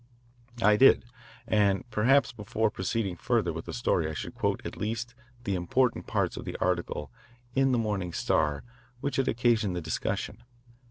I did, and perhaps before I proceed further with the story I should quote at least the important parts of the article in the morning Star which had occasioned the discussion.